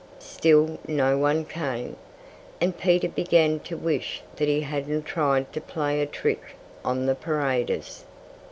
Still no one came. And Peter began to wish that he hadn't tried to play a trick on the paraders.